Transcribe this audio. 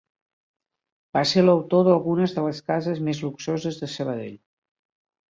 Va ser l'autor d'algunes de les cases més luxoses de Sabadell.